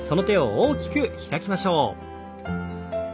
大きく開きましょう。